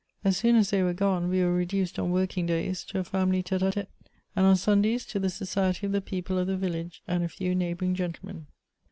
As soon as they were gone, we were reduced, on working days, to a family t^te^a tAe, and on Sundays, to the society of the people of the village and a few neighbouring gentlemen.